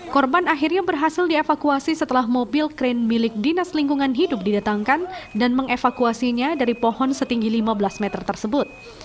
korban akhirnya berhasil dievakuasi setelah mobil krain milik dinas lingkungan hidup didatangkan dan mengevakuasinya dari pohon setinggi lima belas meter tersebut